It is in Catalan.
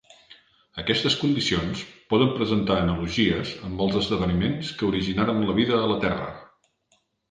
Aquestes condicions poden presentar analogies amb els esdeveniments que originaren la vida a la Terra.